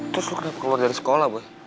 terus lo kenapa keluar dari sekolah boy